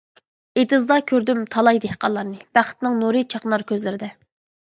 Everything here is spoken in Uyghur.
ئېتىزدا كۆردۈم تالاي دېھقانلارنى، بەختنىڭ نۇرى چاقنار كۆزلىرىدە.